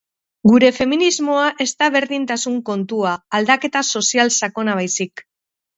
Gure feminismoa ez da berdintasun kontua, aldaketa sozial sakona baizik.